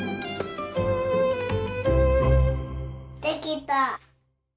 できた。